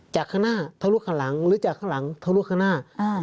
จากข้างหน้าทะลุข้างหลังหรือจากข้างหลังทะลุข้างหน้า